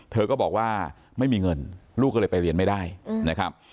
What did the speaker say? เธอก็บอกว่าไม่มีเงินลูกก็เลยไปเรียนไม่ได้นะครับ